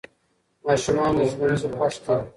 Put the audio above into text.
ماشومان له ښوونځي خوښ دي.